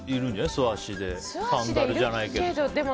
素足で、サンダルじゃないけど。